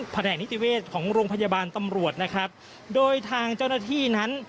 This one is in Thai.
แผนกนิติเวชของโรงพยาบาลตำรวจนะครับโดยทางเจ้าหน้าที่นั้น